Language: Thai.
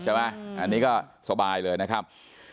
อันนี้ก็สบายเลยนะครับ